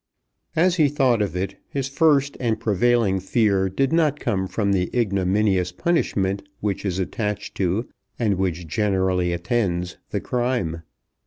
As he thought of it his first and prevailing fear did not come from the ignominious punishment which is attached to, and which generally attends, the crime.